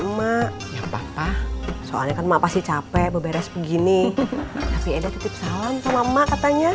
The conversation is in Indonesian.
emak ya papa soalnya kan mbak pasti capek beres begini tapi ada titip salam sama emak katanya